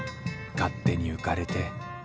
勝手に浮かれて。